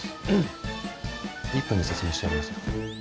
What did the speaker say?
１分で説明してやりますよ。